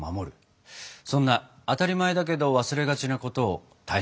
そんな当たり前だけど忘れがちなことを大切にしていたんですね。